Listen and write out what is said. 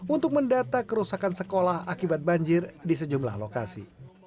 untuk mendata kerusakan sekolah akibat banjir di sejumlah lokasi